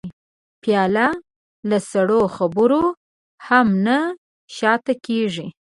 پیاله له سړو خبرو هم نه شا ته کېږي.